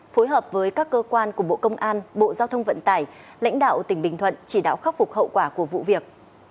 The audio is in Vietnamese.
phối hợp với các cơ quan của bộ công an bộ giao thông vận tải lãnh đạo tỉnh bình thuận chỉ đạo khắc phục hậu quả của vụ việc